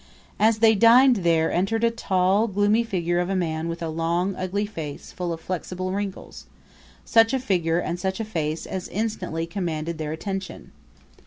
As they dined there entered a tall, gloomy figure of a man with a long, ugly face full of flexible wrinkles; such a figure and such a face as instantly commanded their attention.